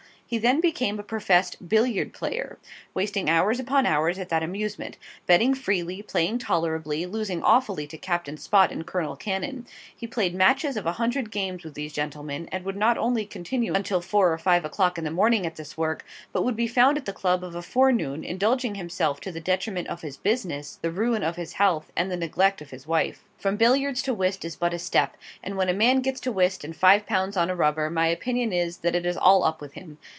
He then became a professed BILLIARD PLAYER, wasting hours upon hours at that amusement; betting freely, playing tolerably, losing awfully to Captain Spot and Col. Cannon. He played matches of a hundred games with these gentlemen, and would not only continue until four or five o'clock in the morning at this work, but would be found at the Club of a forenoon, indulging himself to the detriment of his business, the ruin of his health, and the neglect of his wife. From billiards to whist is but a step and when a man gets to whist and five pounds on a rubber, my opinion is, that it is all up with him.